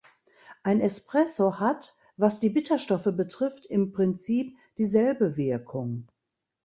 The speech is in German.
Ein Espresso hat, was die Bitterstoffe betrifft, im Prinzip dieselbe Wirkung.